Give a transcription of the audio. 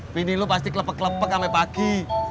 bini lu pasti kelepek kelepek sampe pagi